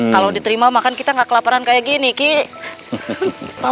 kalau diterima makan kita tidak kelaparan seperti ini kik